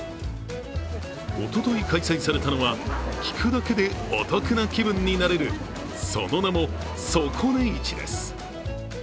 おととい開催されたのは、聞くだけでお得な気分になれる、その名も底値市です。